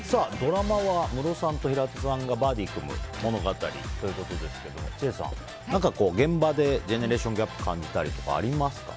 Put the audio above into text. ドラマはムロさんと平手さんがバディーを組む物語ということですが吉瀬さん、現場でジェネレーションギャップ感じたりとかありますか？